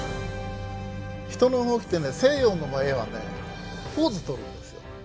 人の動きってね西洋の場合はねポーズとるんですよ。